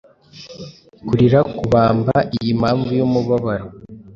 Kurira 'Kubamba iyi mpamvu yumubabaro,